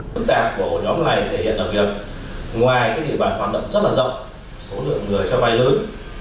sức tạp của nhóm này thể hiện là việc ngoài cái địa bàn hoạt động rất là rộng số lượng người cho vay lớn